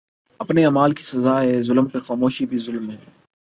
اپنے اعمال کی سزا ہے ظلم پہ خاموشی بھی ظلم ہے